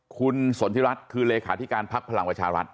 คุณสนทิรัฐคือเลขาธิการพักพลังประชารัฐ